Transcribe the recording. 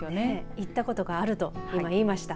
行ったことがあると今、言いました。